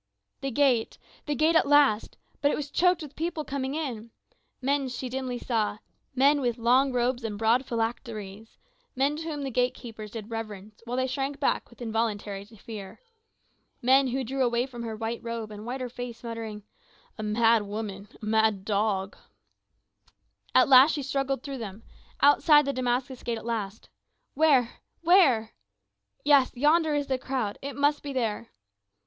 The gate the gate at last; but it is choked with people coming in. Men, she dimly saw, men with long robes and broad phylacteries; men to whom the gate keepers did reverence while they shrank back with involuntary fear. Men who drew away from her white robe and whiter face muttering, "A mad woman a mad dog!" At last she has struggled through them, outside the Damascus Gate at last. Where where? Yes, yonder is a crowd, it must be there.